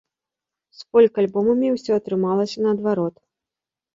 З фолк-альбомамі ўсё атрымалася наадварот.